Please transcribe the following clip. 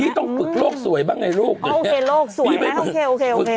พี่ต้องปึกโรคสวยบ้างไงโรคอ๋อโอเคโรคสวยนะโอเคโอเคโอเค